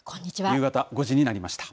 夕方５時になりました。